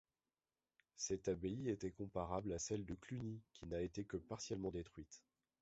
Cette abbaye était comparable à celle de Cluny qui n'a été que partiellement détruite.